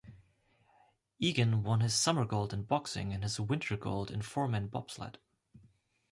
Eagan won his summer gold in boxing and his winter gold in four-man bobsled.